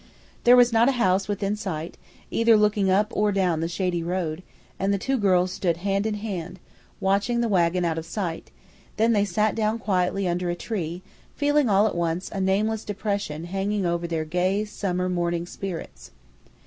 There was not a house within sight, either looking up or down the shady road, and the two girls stood hand in hand, watching the wagon out of sight; then they sat down quietly under a tree, feeling all at once a nameless depression hanging over their gay summer morning spirits.